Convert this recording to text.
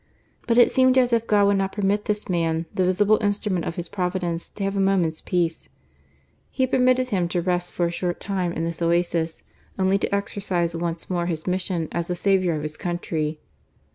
But it seemed as if God would not permit this man, the visible instrument of His Providence, to have a moment's peace. He had permitted him to rest for a short time in this oasis, only to exercise once more his mission as the saviour of his country.